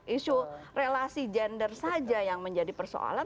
isu relasi gender saja yang menjadi persoalan